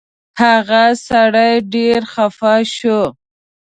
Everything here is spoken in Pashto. هغه سړی ډېر خفه شو.